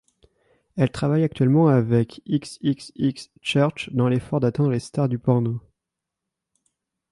Elle travaille actuellement avec xxxchurch dans l'effort d'atteindre les stars du porno.